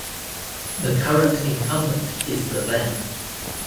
The current incumbent is The Ven.